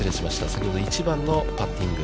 先ほどは１番のパッティング。